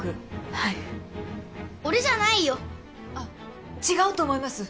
はい俺じゃないよあっ違うと思います